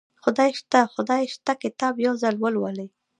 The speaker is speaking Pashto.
خدای شته خدای شته کتاب یو ځل ولولئ